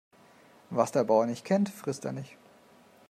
Was der Bauer nicht kennt, frisst er nicht.